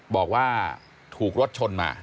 บอกว่าถูกรถชนมา